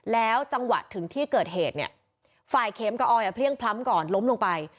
แล้วจังหวะถึงที่เกิดเหตุเนี่ยฝ่ายเข็มกับออยอ่ะเพลี่ยงพล้ำก่อนล้มลงไป